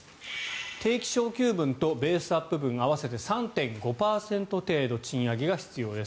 定期昇給分とベースアップ分合わせて３．５％程度賃上げが必要です。